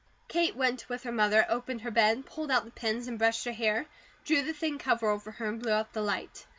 Kate went with her mother, opened her bed, pulled out the pins, and brushed her hair, drew the thin cover over her, and blew out the light.